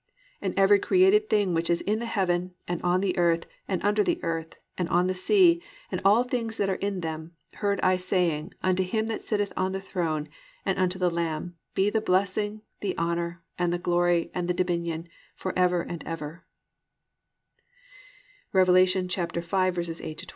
And every created thing which is in the heaven, and on the earth, and under the earth, and on the sea, and all things that are in them, heard I saying, Unto him that sitteth on the throne, and unto the Lamb, be the blessing, and the honour, and the glory, and the dominion, for ever and ever"+ (Rev. 5:8 12).